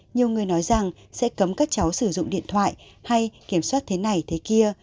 nhiều người nói rằng sẽ cấm các cháu sử dụng điện thoại hay kiểm soát thế này thế kia